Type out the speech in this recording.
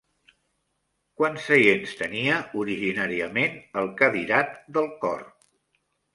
Quants seients tenia originàriament el cadirat del cor?